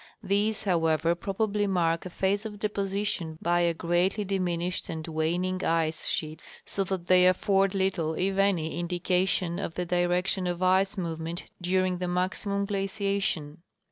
These, however, probably mark a phase of deposition by a greatly diminished and waning ice sheet, so that they afford little if any indication of the direction of ice movement during the maximum glaciation.